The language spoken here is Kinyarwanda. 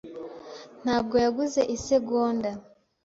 ntabwo yaguze isegonda.